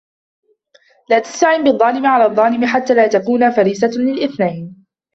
لاتســتعن بالظـالم عـلى الظـالم حتـى لاتكون فريسـة للأثنيــن: